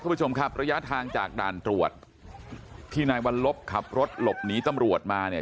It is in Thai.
ผู้ชมครับระยะทางจากด่านตรวจที่นายวัลลบขับรถหลบหนีตำรวจมาเนี่ย